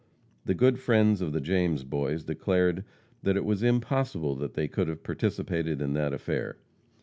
The good friends of the James boys declared that it was impossible that they could have participated in that affair.